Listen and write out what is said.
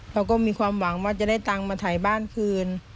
เราก็มีความหวังว่าจะได้ตังค์มาถ่ายบ้านคืน